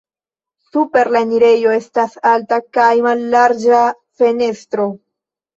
Super la enirejo estas alta kaj mallarĝa fenestro.